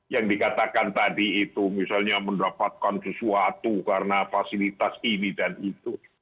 yang dikatakan tadi itu misalnya mendapatkan sesuatu karena fasilitas ini dan itu